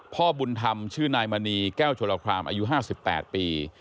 พ่อบุญธรรมชื่อนายมณีแก้วชลครามอายุ๕๘ปี